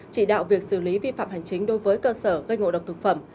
chỉ đạo việc xử lý vi phạm hành chính đối với cơ sở gây ngộ độc thực phẩm